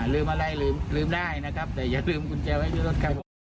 ลืมอะไรลืมได้นะครับแต่อย่าลืมกุญแจไว้ด้วยรถใครผม